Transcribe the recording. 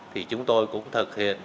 thì chúng tôi cũng thực hiện